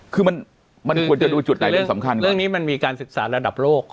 คือมันมันควรจะดูจุดไหนเรื่องสำคัญเรื่องนี้มันมีการศึกษาระดับโลก